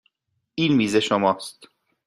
این میز شماست.